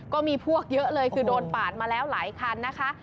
ก็มีพวกเยอะเลยคือโดนปาดมาแล้วหลายคันนะคะ